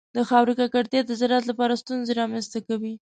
د خاورې ککړتیا د زراعت لپاره ستونزې رامنځته کوي.